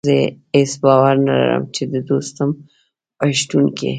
زه هېڅ باور نه لرم چې د دوستم په شتون کې.